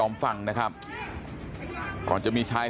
สวัสดีครับคุณผู้ชาย